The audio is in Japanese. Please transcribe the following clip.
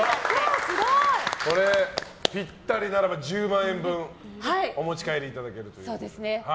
これ、ぴったりなら１０万円分お持ち帰りいただけると。